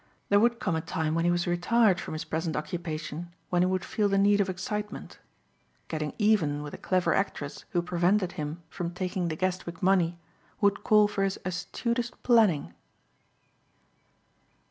There would come a time when he was retired from his present occupation when he would feel the need of excitement. Getting even with the clever actress who prevented him from taking the Guestwick money would call for his astutest planning.